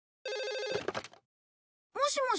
もしもし？